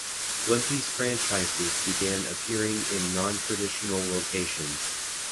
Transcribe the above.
Blimpie's franchises began appearing in nontraditional locations.